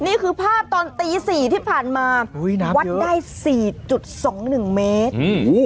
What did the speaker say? นี่คือภาพตอนตีสี่ที่ผ่านมาอุ้ยน้ำเยอะวัดได้สี่จุดสองหนึ่งเมตรอืม